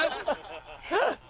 えっ？